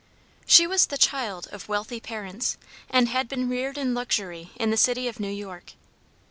She was the child of wealthy parents, and had been reared in luxury in the city of New York.